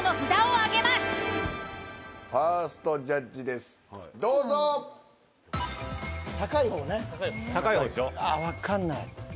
ああわかんない。